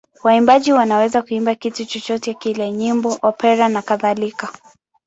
Waimbaji wanaweza kuimba kitu chochote kile: nyimbo, opera nakadhalika.